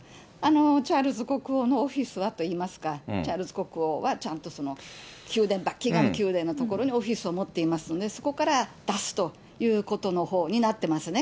チャールズ国王のオフィスはといいますか、チャールズ国王はちゃんと宮殿、バッキンガム宮殿の所にオフィスを持っていますので、そこから出すということのほうになってますね。